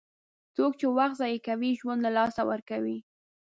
څوک چې وخت ضایع کوي، ژوند له لاسه ورکوي.